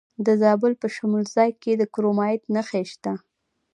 د زابل په شمولزای کې د کرومایټ نښې شته.